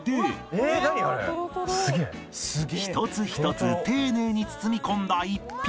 １つ１つ丁寧に包み込んだ一品